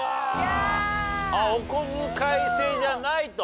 あっおこづかい制じゃないと。